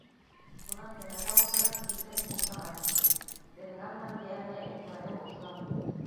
Унан кәмәгә ултырып, Иҫерек бухтаға киттек, Бен Ганн мәмерйәһенә иң тура юл ошонан ине.